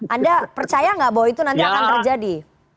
anda percaya nggak bahwa itu nanti akan terjadi